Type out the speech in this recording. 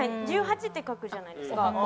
「十八」って書くじゃないですか。